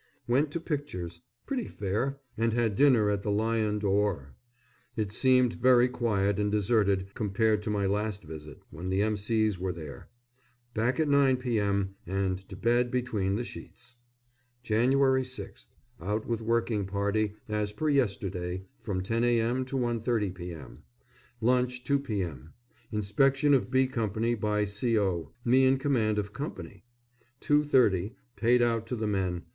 Went to pictures; pretty fair; and had dinner at the Lion d'Or. It seemed very quiet and deserted compared to my last visit, when the M.C.s were there. Back at 9 p.m., and to bed between the sheets. Jan. 6th. Out with working party, as per yesterday, from 10 a.m. to 1.30 p.m. Lunch 2 p.m. Inspection of B Co. by C.O. Me in command of company! Two thirty, paid out to the men.